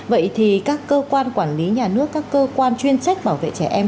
vậy thì các cơ quan quản lý nhà nước các cơ quan chuyên trách bảo vệ trẻ em